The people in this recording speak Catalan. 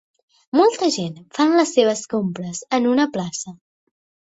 Molta gent fan les seves compres en una plaça.